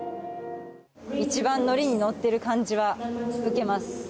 一番乗りに乗っている感じは受けます。